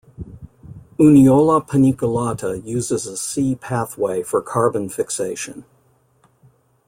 "Uniola paniculata" uses a C pathway for carbon fixation.